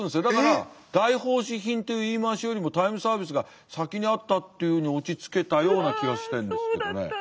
だから大奉仕品という言い回しよりもタイムサービスが先にあったっていうふうに落ち着けたような気がしてるんですけどね。